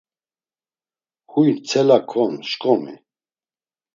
Huy ntsela kon, şǩomi.